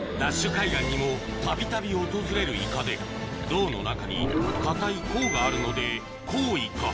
海岸にもたびたび訪れるイカで胴の中に硬い甲があるのでコウイカ